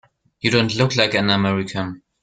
You don't look like an American.